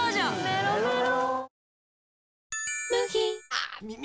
メロメロ